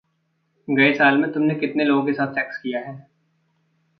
गये साल में तुम ने कितने लोगों के साथ सेक्स किया है?